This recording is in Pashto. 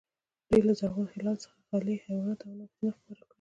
دوی له زرغون هلال څخه غلې، حیوانات او نوښتونه خپاره کړي.